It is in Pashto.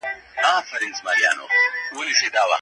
يوازې يوه ډله بايد واک ونه لري.